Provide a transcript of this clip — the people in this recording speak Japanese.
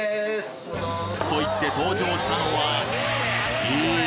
と言って登場したのはえ！？